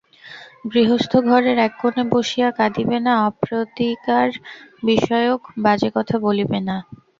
গৃহস্থ ঘরের এককোণে বসিয়া কাঁদিবে না, অপ্রতিকার-বিষয়ক বাজে কথা বলিবে না।